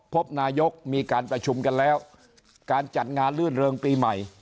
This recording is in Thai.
พบนายกมีการประชุมกันแล้วการจัดงานลื่นเริงปีใหม่